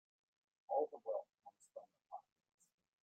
All the wealth comes from the pockets.